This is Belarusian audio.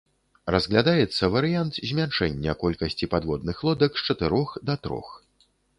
Разглядаецца варыянт змяншэння колькасці падводных лодак з чатырох да трох.